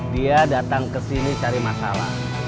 dia datang kesini cari masalah